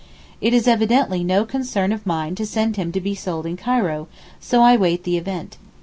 It is evidently no concern of mine to send him to be sold in Cairo, so I wait the event.